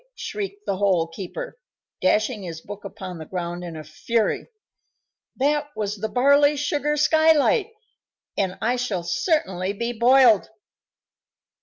shrieked the Hole keeper, dashing his book upon the ground in a fury. "That was the barley sugar skylight, and I shall certainly be boiled!"